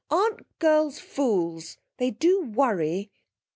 Aren't girls fools? They do worry!'